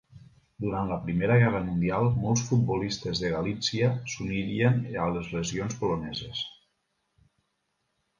Durant la Primera Guerra Mundial molts futbolistes de Galítsia s'uniren a les legions poloneses.